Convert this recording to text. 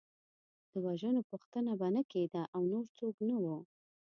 د وژنو پوښتنه به نه کېده او نور څوک نه وو.